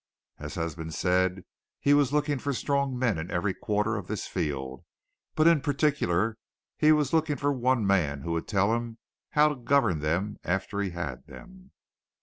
As has been said, he was looking for strong men in every quarter of this field, but in particular he was looking for one man who would tell him how to govern them after he had them.